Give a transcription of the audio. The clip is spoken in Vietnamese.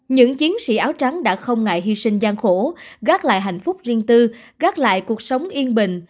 những chiến sĩ áo trắng đã không ngại hy sinh gian khổ gác lại hạnh phúc riêng tư gác lại cuộc sống yên bình